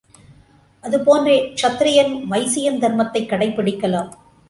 அது போன்றே க்ஷத்திரியன் வைசியன் தர்மத்தைக் கடைப்பிடிக்கலாம்.